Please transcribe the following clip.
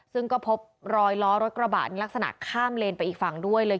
ซึ่งก็พบรอยล้อรถกระบะในลักษณะข้ามเลนไปอีกฝั่งด้วยเลย